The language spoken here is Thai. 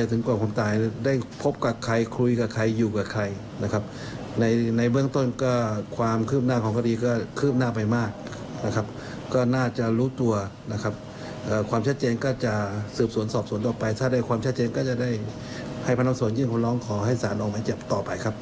แต่ถ้าได้ความแชทเจนก็จะได้ให้พนับสวนยื่นของน้องขอให้สานออกมาเจ็บต่อไปครับ